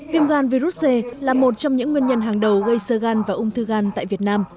viêm gan virus c là một trong những nguyên nhân hàng đầu gây sơ gan và ung thư gan tại việt nam